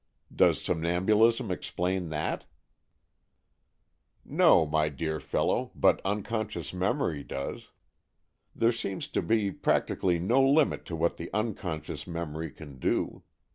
Does somnambulism explain that?" AN EXCHANGE OF SOULS 231 " No, my dear fellow, but unconscious memory does. There seems to be practi cally no limit to what the unconscious memory can do.